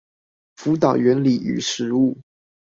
輔導原理與實務